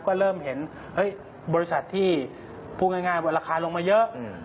ก็เริ่มเห็นบริษัทที่พูดง่ายว่าราคาลงมาเยอะ